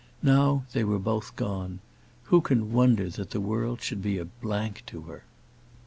Now they were both gone. Who can wonder that the world should be a blank to her?